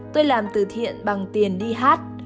tôi làm từ thiện bằng tiền đi hát